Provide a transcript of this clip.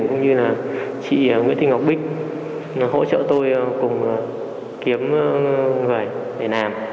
và chị nguyễn thị ngọc bích hỗ trợ tôi cùng kiếm người để làm